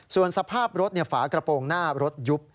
ส่วนสภาพรถฝากระโปรงหน้ารถยุบ